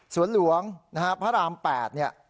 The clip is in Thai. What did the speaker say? สวนหลวงนะครับพระรามแปด